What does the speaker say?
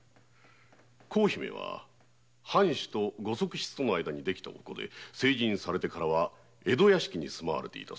幸姫は藩主と御側室との間に出来たお子で成人されてから江戸屋敷に住まわれて。